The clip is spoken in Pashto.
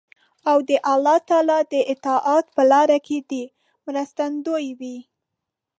او د الله تعالی د اطاعت په لار کې دې مرستندوی وي.